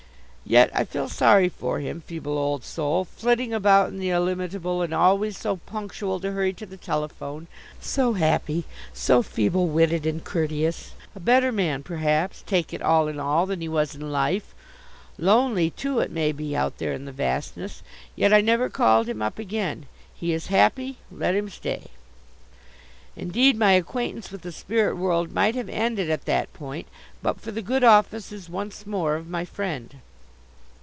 Yet I feel sorry for him, feeble old soul, flitting about in the Illimitable, and always so punctual to hurry to the telephone, so happy, so feeble witted and courteous; a better man, perhaps, take it all in all, than he was in life; lonely, too, it may be, out there in the Vastness. Yet I never called him up again. He is happy. Let him stay. Indeed, my acquaintance with the spirit world might have ended at that point but for the good offices, once more, of my Friend.